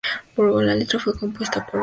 La letra fue compuesta por Bernard Sumner.